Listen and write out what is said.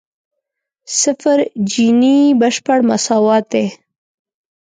صفر جیني بشپړ مساوات دی.